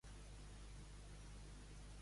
A qui conta les gestes l'heroi?